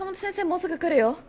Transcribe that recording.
もうすぐ来るよ。